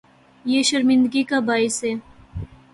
یہ شرمندگی کا باعث ہے۔